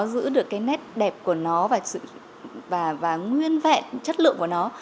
giữ được cái nét đẹp của nó và nguyên vẹn chất lượng của nó